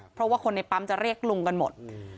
เพราะว่าคนในปั๊มจะเรียกลุงกันหมด